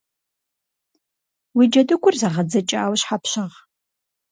Уи джэдыгур зэгъэдзэкӏауэ щхьэ пщыгъ?